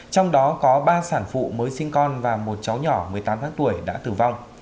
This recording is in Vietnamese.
trong đó có ba sản phụ mới sinh con và một cháu nhỏ một mươi tám tháng tuổi đã tử vong